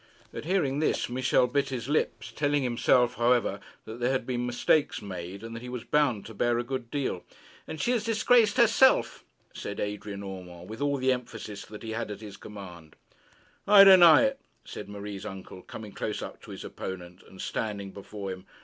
At hearing this Michel bit his lips, telling himself, however, that there had been mistakes made, and that he was bound to bear a good deal. 'And she has disgraced herself,' said Adrian Urmand, with all the emphasis that he had at command. 'I deny it,' said Marie's uncle, coming close up to his opponent, and standing before him.